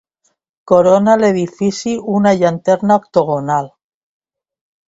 Corona l'edifici una llanterna octogonal.